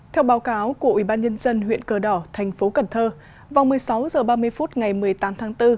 theo báo cáo của ubnd huyện cờ đỏ thành phố cần thơ vòng một mươi sáu h ba mươi phút ngày một mươi tám tháng bốn